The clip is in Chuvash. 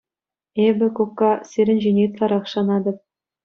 Эпӗ, кукка, сирӗн ҫине ытларах шанатӑп.